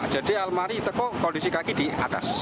jadi almari itu kok kondisi kaki di atas